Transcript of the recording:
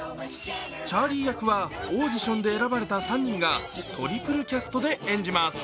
チャーリー役はオーディションで選ばれた３人がトリプルキャストで演じます。